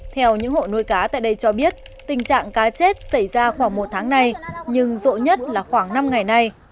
theo những hộ nuôi cá tại đây cho biết tình trạng cá chết xảy ra khoảng một tháng nay nhưng rộ nhất là khoảng năm ngày nay